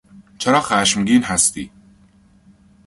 چرا خشمگین هستی؟